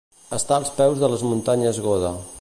Està als peus de les muntanyes Goda.